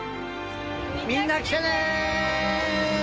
みんな来てね！